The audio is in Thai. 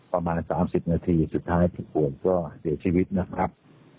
ประมาณ๓๐นาทีสุดท้ายผู้ป่วยก็เสียชีวิตนะครับ